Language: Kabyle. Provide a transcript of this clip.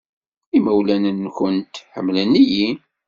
Imawlan-nwent ḥemmlen-iyi.